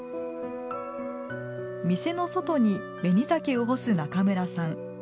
店の外に紅ざけを干す中村さん。